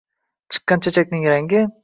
Chiqqan chechakning rangi.